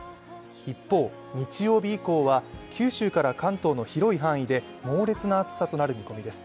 一方、日曜日以降は九州から関東の広い範囲で猛烈な暑さとなる見込みです。